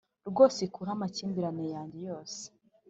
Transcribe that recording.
rwose ikuraho amakimbirane yanjye yose